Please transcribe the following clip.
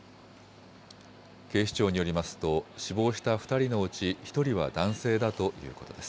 警視庁によりますと死亡した２人のうち１人は男性だということです。